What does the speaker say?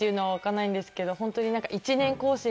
ホントに。